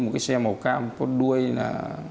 một cái xe màu cam có đuôi là